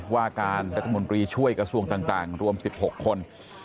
ว่าการรัฐมนตรีช่วยกระทรวงต่างรวม๑๖คน